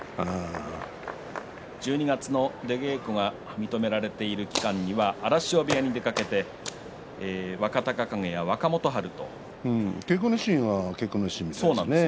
１２月の出稽古が認められている期間には荒汐部屋に出かけて、若隆景若元春との稽古をしました。